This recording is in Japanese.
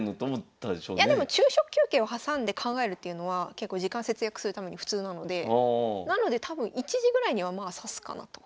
でも昼食休憩を挟んで考えるっていうのは結構時間節約するために普通なのでなので多分１時ぐらいにはまあ指すかなと。